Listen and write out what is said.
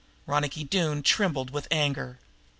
Ronicky Doone trembled with anger.